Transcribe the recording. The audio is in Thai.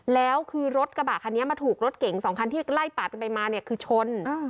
แล้วคือรถกระบะคันนี้มาถูกรถเก่ง๒คันที่ไล่ปาดกันไปมาเนี่ยคือชน